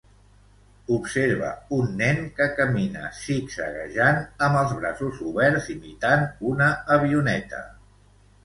Observa un nen que camina zigzaguejant amb els braços oberts imitant una avioneta.